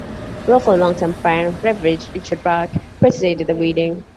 Rolfe's longtime friend, Reverend Richard Buck presided the wedding.